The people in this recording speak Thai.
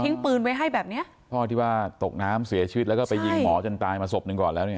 ปืนไว้ให้แบบเนี้ยพ่อที่ว่าตกน้ำเสียชีวิตแล้วก็ไปยิงหมอจนตายมาศพหนึ่งก่อนแล้วเนี่ย